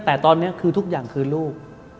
แต่ตอนนี้คือทุกอย่างคือลูก